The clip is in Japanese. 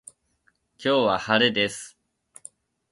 今日は晴れです。